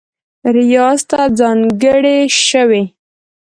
ریاض ته ځانګړې شوې